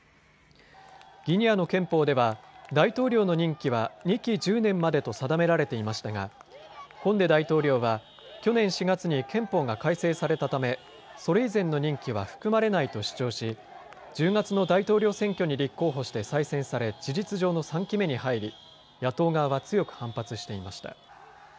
ギニアの憲法では大統領の任期は２期１０年までと定められていましたがコンデ大統領は去年４月に憲法が改正されたためそれ以前の任期は含まれないと主張し、１０月の大統領選挙に立候補して再選され事実上の３期目に入り野党側は強く反発していました。